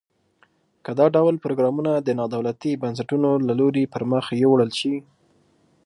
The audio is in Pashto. که دا ډول پروګرامونه د نا دولتي بنسټونو له لوري پرمخ یوړل شي.